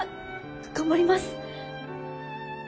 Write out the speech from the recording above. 頑張ります！